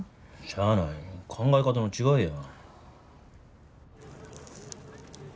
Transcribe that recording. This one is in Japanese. しゃあない考え方の違いや。